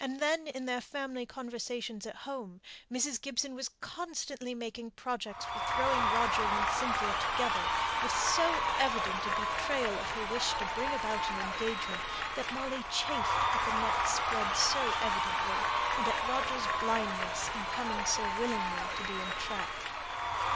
Then in their family conversations at home, Mrs. Gibson was constantly making projects for throwing Roger and Cynthia together, with so evident a betrayal of her wish to bring about an engagement, that Molly chafed at the net spread so evidently, and at Roger's blindness in coming so willingly to be entrapped.